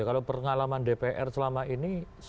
kalau pengalaman dpr selama ini